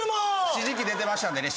指示器出てましたんでね。